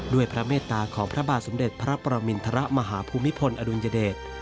พระเมตตาของพระบาทสมเด็จพระประมินทรมาฮภูมิพลอดุลยเดช